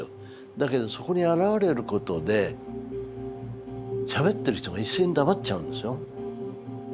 だけどそこに現れることでしゃべってる人が一斉に黙っちゃうんですよ。